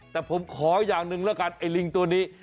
แต่ผมขออย่างหนึ่งแล้วกันไอ้ลิงตัวนี้